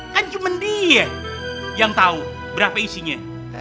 kan cuma dia yang tahu berapa isinya